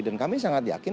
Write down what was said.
dan kami sangat yakin